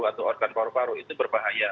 atau organ paru paru itu berbahaya